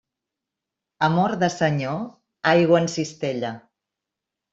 Amor de senyor, aigua en cistella.